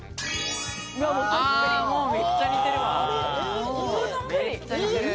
めっちゃ似てるわ。